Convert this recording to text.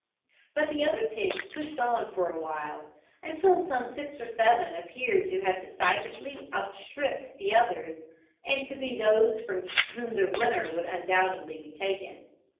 But the other pigs pushed on for a while, until some six or seven appeared to have decidedly outstripped the others and to be those from whom the winner would undoubtedly be taken.